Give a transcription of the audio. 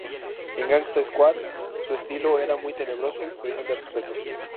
En Gangsta Squad su estilo era muy tenebroso y carecían de respeto.